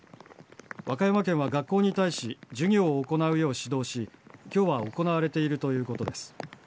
和歌山県は学校に対し授業を行うよう指導し今日は行われているということです。